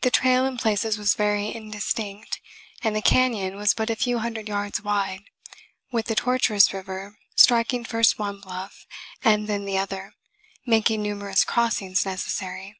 The trail in places was very indistinct and the canyon was but a few hundred yards wide, with the tortuous river striking first one bluff and then the other, making numerous crossings necessary.